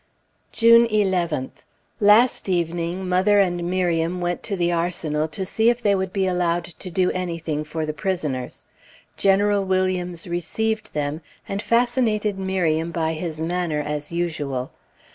June 11th. Last evening mother and Miriam went to the Arsenal to see if they would be allowed to do anything for the prisoners. General Williams received them, and fascinated Miriam by his manner, as usual.